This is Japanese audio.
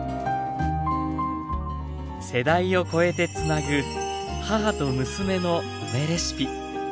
世代を超えてつなぐ母と娘の梅レシピ。